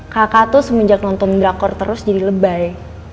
kakak tuh semenjak nonton drakor terus jadi lebay